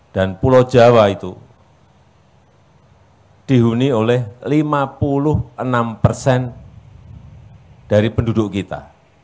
dan pulau jawa itu dihuni oleh lima puluh enam persen dari penduduk kita